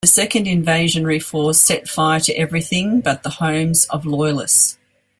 The second invasionary force set fire to everything but the homes of Loyalists.